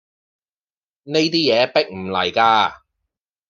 呢啲嘢迫唔嚟架